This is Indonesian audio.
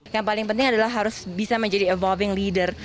yang paling penting adalah harus bisa menjadi avoving leader